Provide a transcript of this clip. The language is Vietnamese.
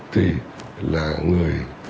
thì là người